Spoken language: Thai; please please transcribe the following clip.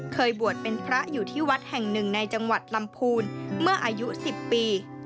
เคยบวชเป็นพระอยู่ที่วัดแห่งหนึ่งในจังหวัดลำพูนเมื่ออายุ๑๐ปี